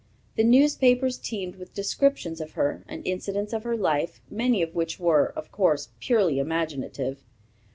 The newspapers teemed with descriptions of her, and incidents of her life, many of which were, of course, purely imaginative.